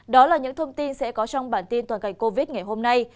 đó là những thông tin sẽ có trong bản tin toàn cảnh covid ngày hôm nay